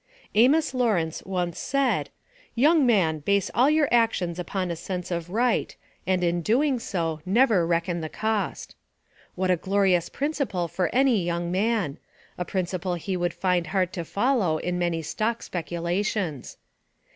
Amos Lawrence once said: "Young man, base all your actions upon a sense of right, and in doing so, never reckon the cost." What a glorious principle for any young man a principle he would find hard to follow in many stock speculations.